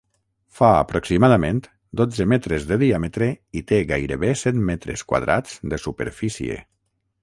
Fa, aproximadament, dotze metres de diàmetre i té gairebé cent metres quadrats de superfície.